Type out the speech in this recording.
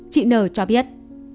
chị nời cho biết